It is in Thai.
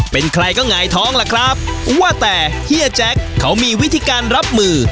เป็นใครก็หงายท้องล่ะครับว่าแต่เฮียแจ๊คเขามีวิธีการรับมือ